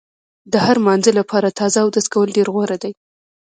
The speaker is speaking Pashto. د هر مانځه لپاره تازه اودس کول ډېر غوره دي.